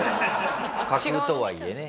架空とはいえね